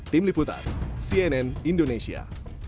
tim liputan cnn indonesia